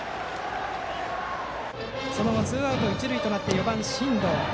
その後、ツーアウト一塁となって４番、真藤。